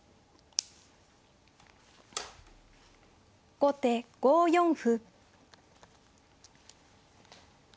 後手５四歩。